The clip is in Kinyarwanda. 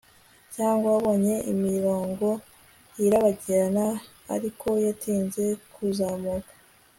Cyangwa wabonye imirongo irabagirana ariko yatinze kuzamuka